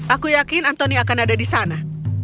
aku yakin antoni akan ada di sana